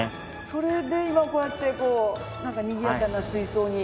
それで今こうやってなんかにぎやかな水槽に。